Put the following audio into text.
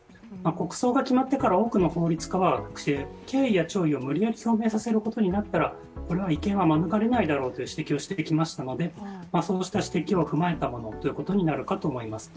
国葬が決まってから多くの法律家は敬意や弔意を無理やり表明させることになったら違憲を免れないだろうということをいっていましたのでそうした指摘を踏まえたものということになるかと思います。